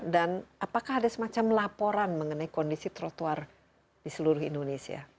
dan apakah ada semacam laporan mengenai kondisi trotoar di seluruh indonesia